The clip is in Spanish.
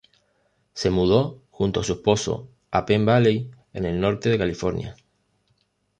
Se mudó junto con su esposo a Penn Valley en el Norte de California.